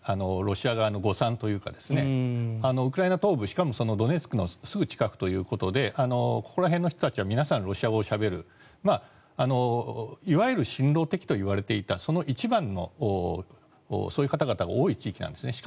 ロシア側の誤算というかウクライナ東部しかもドネツクのすぐ近くということでここら辺の人たちは皆さんロシア語をしゃべるいわゆる親ロシア的と言われていたその一番の、そういう方々が多い地域なんです。